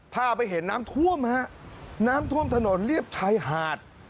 พาไปเห็นน้ำท่วมฮะน้ำท่วมถนนเรียบชายหาด